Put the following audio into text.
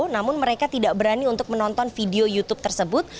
namun mereka tidak berani untuk menonton video youtube tersebut